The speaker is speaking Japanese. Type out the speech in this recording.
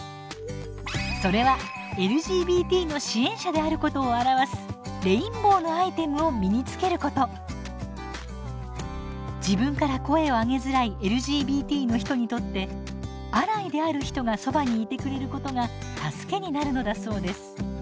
それはＬＧＢＴの支援者であることを表す自分から声をあげづらいＬＧＢＴの人にとってアライである人がそばにいてくれることが助けになるのだそうです。